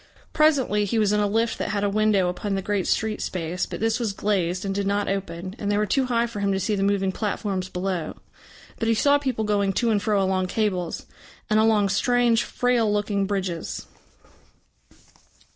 Presently he was in a lift that had a window upon the great street space, but this was glazed and did not open, and they were too high for him to see the moving platforms below. But he saw people going to and fro along cables and along strange, frail looking bridges.